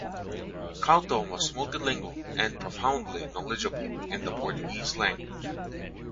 Couto was multilingual and profoundly knowledgeable in the Portuguese language.